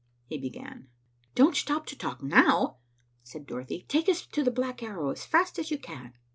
he began. "Don't stop to talk now," said Dorothy. "Take us to the Black Arrow as fast as you can."